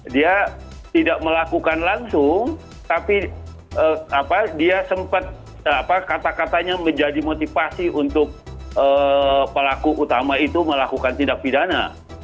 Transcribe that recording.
dia tidak melakukan langsung tapi dia sempat kata katanya menjadi motivasi untuk pelaku utama itu melakukan tindak pidana